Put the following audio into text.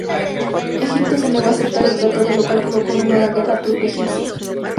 Egipto se negó a aceptar el tratado, lo cual provocó una nueva guerra turco-egipcia.